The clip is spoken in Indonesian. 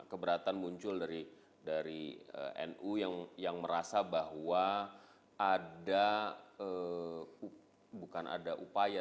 keberatan muncul dari nu yang merasa bahwa ada bukan ada upaya